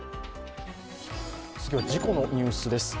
次は、事故のニュースです。